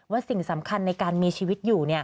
สิ่งสำคัญในการมีชีวิตอยู่